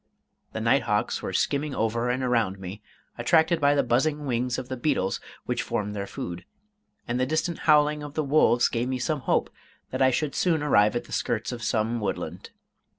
The night hawks were skimming over and around me, attracted by the buzzing wings of the beetles which formed their food, and the distant howling of wolves gave me some hope that I should soon arrive at the skirts of some woodland.